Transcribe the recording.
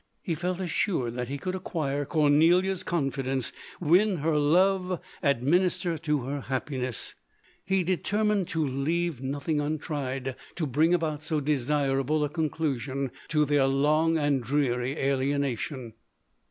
He felt assured that he could acquire Cornelia's confidence, win her love, and admi nister to her happiness ; he determined to leave VOL. I, M 242 LODORE. nothing untried to bring about so desirable a conclusion to their long and dreary alienation.